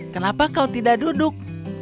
kenapa kau tidak duduk